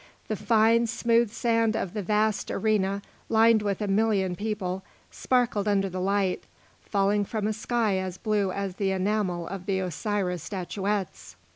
The fine, smooth sand of the vast arena lined with a million people, sparkled under the light, falling from a sky as blue as the enamel of the Osiris statuettes.